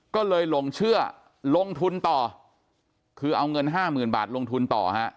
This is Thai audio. ก็เลยลงเชื่อลงทุนต่อคือเอาเงิน๕๐๐๐๐บาทลงทุนต่อ